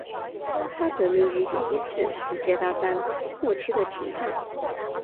它得名于第一次世界大战末期的停战。